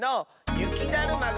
ゆきだるまが。